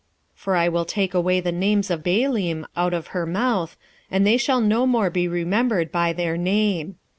2:17 For I will take away the names of Baalim out of her mouth, and they shall no more be remembered by their name.